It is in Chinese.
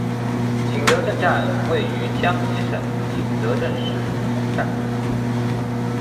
景德镇站位于江西省景德镇市通站路。